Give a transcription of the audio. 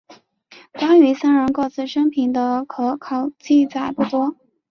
关于三人各自生平的可考记载不多。